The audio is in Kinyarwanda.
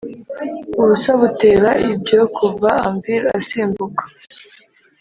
ubusa butera ibyo kuva anvil asimbuka;